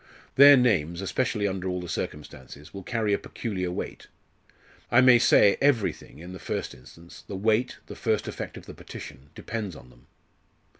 Their names especially under all the circumstances will carry a peculiar weight. I may say everything, in the first instance the weight, the first effect of the petition depends on them.